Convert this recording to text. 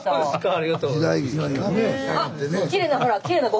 ありがとうございます。